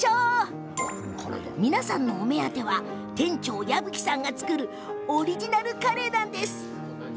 皆さんのお目当ては店長、矢吹さんが作るオリジナルカレーなんです。